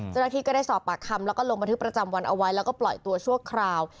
เจ้าหน้าที่ก็ได้สอบปากคำแล้วก็ลงบันทึกประจำวันเอาไว้แล้วก็ปล่อยตัวชั่วคราว